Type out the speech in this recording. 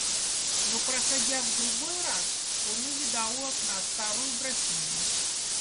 Но проходя в другой раз, он увидал у окна старую графиню.